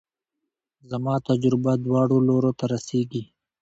زما تجربه دواړو لورو ته رسېږي.